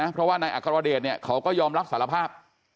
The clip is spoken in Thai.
เพราะว่านายอัครเดชเนี่ยเขาก็ยอมรับสารภาพ